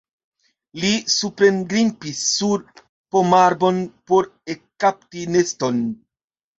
Li suprengrimpis sur pomarbon por ekkapti neston.